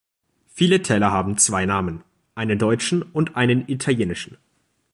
Viele Täler haben zwei Namen: einen deutschen und einen italienischen.